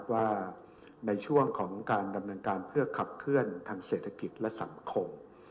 ว่าในช่วงของการดำเนินการเพื่อขับเคลื่อนทางเศรษฐกิจและสังคม